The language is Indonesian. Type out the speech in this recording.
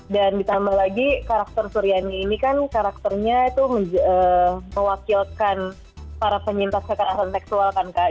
dan ditambah lagi karakter suriani ini kan karakternya itu mewakilkan para penyintas kekerasan seksual kan kak